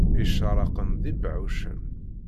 Icraraqen d ibeɛɛucen.